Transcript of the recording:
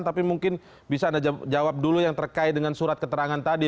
tapi mungkin bisa anda jawab dulu yang terkait dengan surat keterangan tadi